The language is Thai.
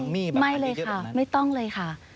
ไม่เลยค่ะไม่ต้องเลยค่ะ